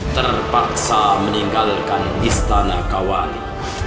terpaksa meninggalkan istana kawali